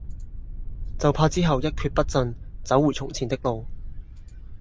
就怕之後一厥不振，走回從前的路